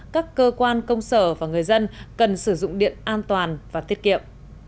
các cơ quan công sở và người dân cần sử dụng điện an toàn và tiết kiệm